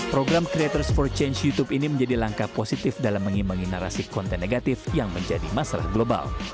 program creators for change youtube ini menjadi langkah positif dalam mengimbangi narasi konten negatif yang menjadi masalah global